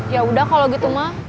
yaudah kalo gitu mah